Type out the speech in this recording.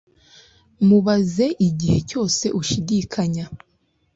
Mubaze igihe cyose ushidikanya